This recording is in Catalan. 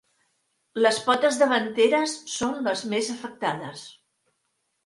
Les potes davanteres són les més afectades.